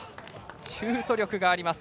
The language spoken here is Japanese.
シュート力があります。